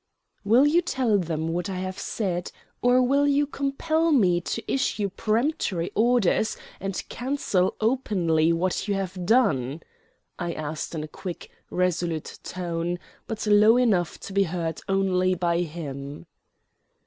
"Will you tell them what I have said, or will you compel me to issue peremptory orders, and cancel openly what you have done?" I asked in a quick, resolute tone, but low enough to be heard only by him.